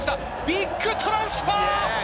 ビッグトランスファー！